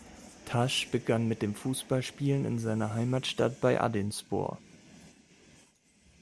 Taş begann mit dem Fußballspielen in seiner Heimatstadt bei Aydınspor.